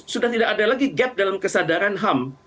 sudah tidak ada lagi gap dalam kesadaran ham